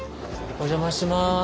お邪魔します。